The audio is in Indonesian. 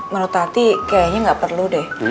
menurut hati kayaknya nggak perlu deh